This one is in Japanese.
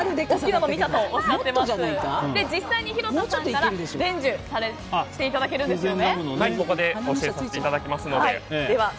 実際に弘田さんから伝授していただけるんですよね。